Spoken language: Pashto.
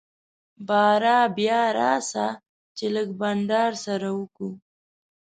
باره بيا راسه چي لږ بانډار سره وکو.